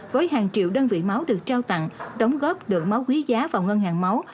với hàng triệu đơn vị máu được trao tặng đóng góp lượng máu quý giá vào ngân hàng máu